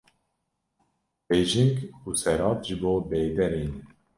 bêjing û serad ji bo bêderê ne